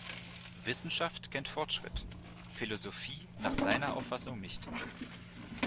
Wissenschaft kennt Fortschritt, Philosophie nach seiner Auffassung nicht.